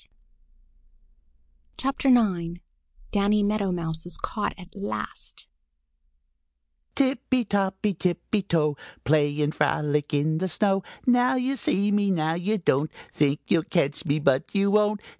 IX DANNY MEADOW MOUSE IS CAUGHT AT LAST "Tippy toppy tippy toe, Play and frolic in the snow! Now you see me! Now you don't! Think you'll catch me, but you won't!